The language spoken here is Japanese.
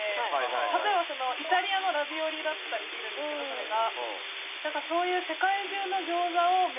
例えばイタリアのラビオリだったりするんですけどそれが。